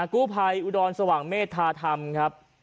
กู้ภัยอุดรสว่างเมธาธรรมครับ